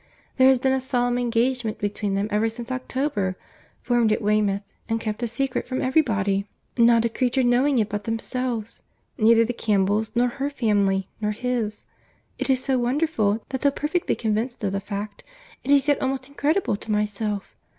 There has been a solemn engagement between them ever since October—formed at Weymouth, and kept a secret from every body. Not a creature knowing it but themselves—neither the Campbells, nor her family, nor his.—It is so wonderful, that though perfectly convinced of the fact, it is yet almost incredible to myself.